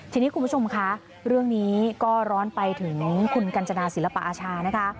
ทีนี้คุณผู้ชมคะเรื่องนี้ก็ร้อนไปถึงคุณกัญจนาศิลปอาชานะคะ